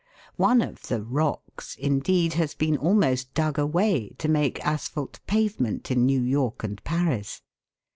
One of the " rocks " indeed has been almost dug away to make asphalt pavement in New York and Paris.